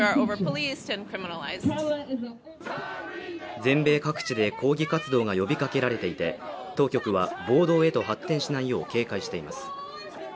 全米各地で抗議活動が呼びかけられていて当局は暴動へと発展しないよう警戒しています